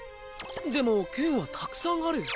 でもけんはたくさんあるよ。